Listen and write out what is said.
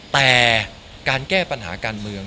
แต่การแก้ปัญหาการเมือง